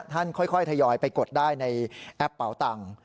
ค่อยทยอยไปกดได้ในแอปเป่าตังค์